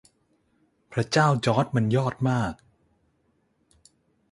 พระเจ้าจอร์จมันยอดมาก